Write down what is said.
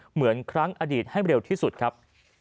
เหมือนครั้งอดีตให้เร็วที่สุดครับ